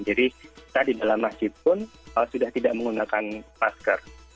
jadi kita di dalam masjid pun sudah tidak menggunakan masker